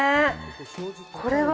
これは？